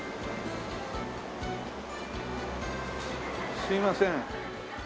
すみません。